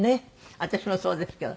私もそうですけど。